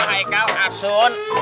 hai kak asun